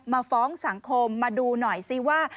มาฟ้องสังคมมาดูหน่อยซิว่า